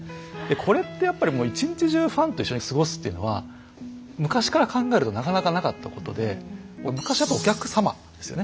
これってやっぱりもう一日中ファンと一緒に過ごすというのは昔から考えるとなかなかなかったことで昔はやっぱり「お客様」ですよね。